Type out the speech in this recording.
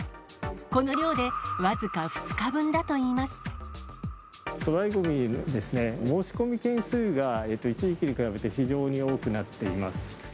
この量で、僅か２日分だといいま粗大ごみですね、申し込み件数が、一時期に比べて非常に多くなっています。